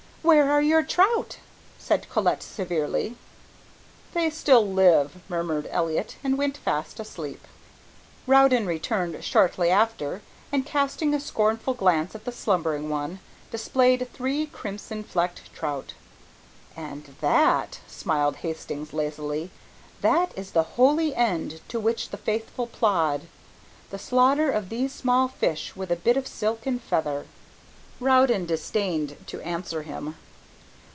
"Where are your trout?" said Colette severely. "They still live," murmured Elliott, and went fast asleep. Rowden returned shortly after, and casting a scornful glance at the slumbering one, displayed three crimson flecked trout. "And that," smiled Hastings lazily, "that is the holy end to which the faithful plod, the slaughter of these small fish with a bit of silk and feather." Rowden disdained to answer him.